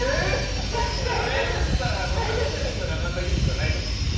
アナウンサー名乗ってるのにアナウンス技術がないってことでしょ。